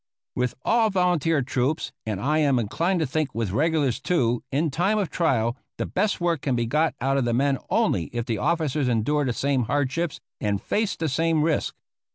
With all volunteer troops, and I am inclined to think with regulars, too, in time of trial, the best work can be got out of the men only if the officers endure the same hardships and face the same risks.